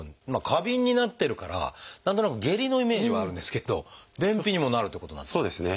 過敏になってるから何となく下痢のイメージはあるんですけど便秘にもなるってことなんですか？